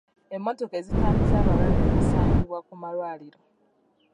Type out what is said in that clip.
Emmotoka ezitambuza abalwadde zisangibwa ku malwaliro.